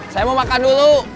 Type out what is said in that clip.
saya mau makan dulu